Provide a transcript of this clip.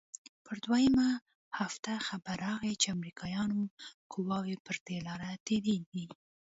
پر دويمه هفته خبر راغى چې امريکايانو قواوې پر دې لاره تېريږي.